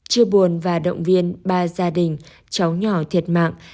chia buồn và động viên ba gia đình cháu nhỏ thiệt mạng